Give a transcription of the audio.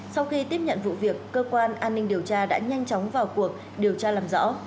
sau khi tiếp nhận vụ việc cơ quan an ninh điều tra đã nhanh chóng vào cuộc điều tra làm rõ